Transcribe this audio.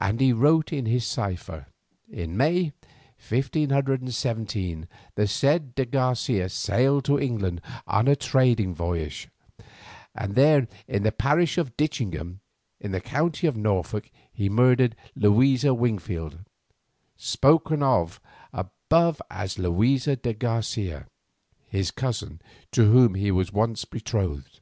And he wrote in his cipher: "In May, 1517, the said de Garcia sailed to England on a trading voyage, and there, in the parish of Ditchingham, in the county of Norfolk, he murdered Luisa Wingfield, spoken of above as Luisa de Garcia, his cousin, to whom he was once betrothed.